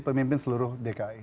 pemimpin seluruh dki